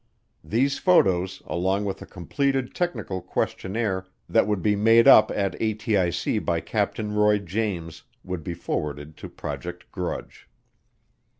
These photos, along with a completed technical questionnaire that would be made up at ATIC by Captain Roy James, would be forwarded to Project Grudge.